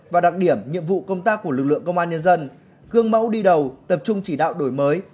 và đặc điểm nhiệm vụ công tác của lực lượng công an nhân dân gương mẫu đi đầu tập trung chỉ đạo đổi mới